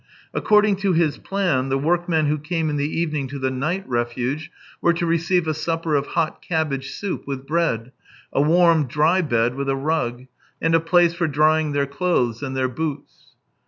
According to his plan the workmen who came in the evening to the night refuge were to receive a supper of hot cab bage soup with bread, a warm, dry bed with a rug, and a place for drying their clothes and their boots.